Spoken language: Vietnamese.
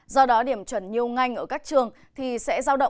do đó điểm chuẩn nhiều ngành ở các trường đại học năm nay sẽ có nhiều biến động